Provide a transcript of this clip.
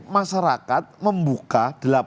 masyarakat membuka delapan ratus dua puluh